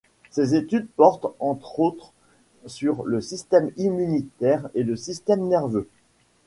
Ces études portent entre autres sur le système immunitaire et le système nerveux.